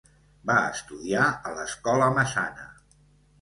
Va estudiar a l'escola Massana.